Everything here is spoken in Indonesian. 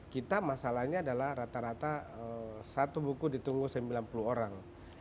kita masalahnya adalah rata rata satu buku ditunggu sembilan puluh orang